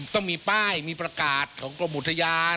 ต้องมีป้ายมีประกาศของกรมอุทยาน